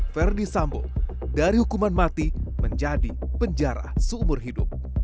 verdi sambo dari hukuman mati menjadi penjara seumur hidup